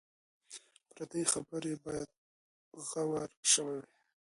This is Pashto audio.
پر دې خبرې باید غور شوی وای.